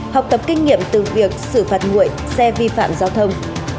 học tập kinh nghiệm từ việc xử phạt nguội xe vi phạm giao thông